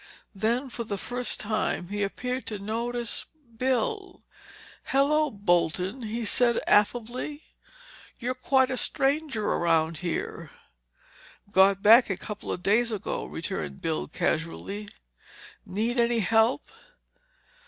Then for the first time, he appeared to notice Bill. "Hello, Bolton," he said affably. "You're quite a stranger around here." "Got back a couple of days ago," returned Bill casually. "Need any help?"